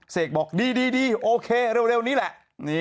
เสกบอกดีโอเคเร็วนี้แหละ